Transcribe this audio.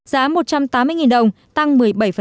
giá một trăm tám mươi đồng tăng một mươi bảy